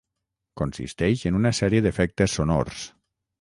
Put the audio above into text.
Consisteix en una sèrie d'efectes sonors.